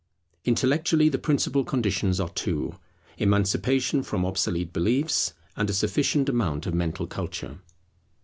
Intellectually the principal conditions are two; Emancipation from obsolete beliefs, and a sufficient amount of mental culture.